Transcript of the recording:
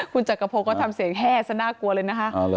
คุณจักรพงศ์ก็ทำเสียงแห้ซะน่ากลัวเลยนะคะ